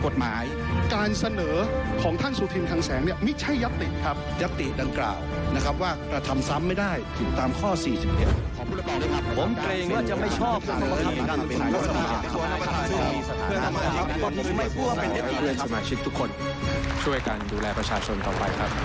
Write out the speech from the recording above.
ผมช่วยกันดูแลประชาชนต่อไปครับ